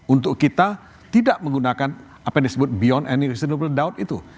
untuk kita tidak menggunakan apa yang disebut beyond and reasonable down itu